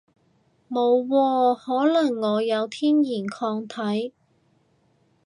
冇喎，可能我有天然抗體